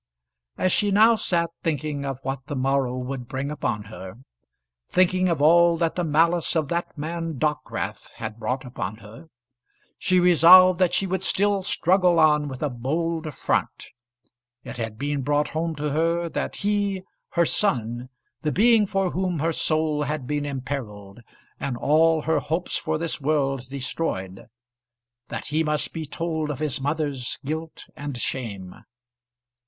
As she now sat thinking of what the morrow would bring upon her, thinking of all that the malice of that man Dockwrath had brought upon her, she resolved that she would still struggle on with a bold front. It had been brought home to her that he, her son, the being for whom her soul had been imperilled, and all her hopes for this world destroyed, that he must be told of his mother's guilt and shame.